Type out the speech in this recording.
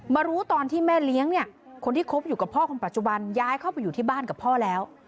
รู้ตอนที่แม่เลี้ยงเนี่ยคนที่คบอยู่กับพ่อคนปัจจุบันย้ายเข้าไปอยู่ที่บ้านกับพ่อแล้ว